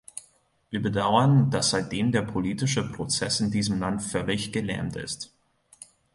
Wir bedauern, dass seitdem der politische Prozess in diesem Land völlig gelähmt ist.